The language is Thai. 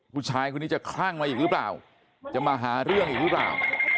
ผู้ชายคนนี้จะคลั่งมาอีกหรือเปล่าจะมาหาเรื่องอีกหรือเปล่า